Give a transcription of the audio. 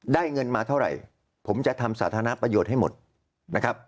เงินมาเท่าไหร่ผมจะทำสาธารณประโยชน์ให้หมดนะครับ